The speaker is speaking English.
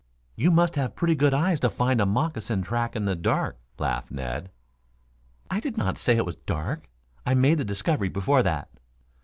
"You must have pretty good eyes to find a moccasin track in the dark," laughed Ned. "I did not say it was dark. I made the discovery before that."